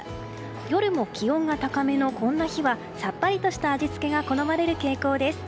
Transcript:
夜も気温が高めのこんな日はさっぱりとした味付けが好まれる傾向です。